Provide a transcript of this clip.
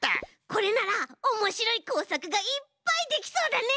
これならおもしろいこうさくがいっぱいできそうだね！